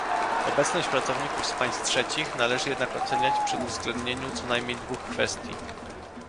Obecność pracowników z państw trzecich należy jednak oceniać przy uwzględnieniu co najmniej dwóch kwestii